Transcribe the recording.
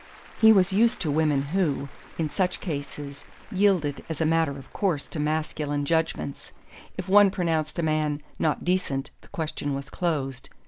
He was used to women who, in such cases, yielded as a matter of course to masculine judgments: if one pronounced a man "not decent" the question was closed.